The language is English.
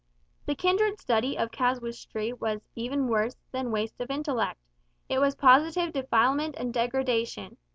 The kindred study of casuistry was even worse than waste of intellect; it was positive defilement and degradation.